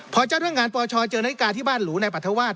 พอเจ้าเรื่องงานปชเจอนาฬิกาที่บ้านหรูในปรัฐวาส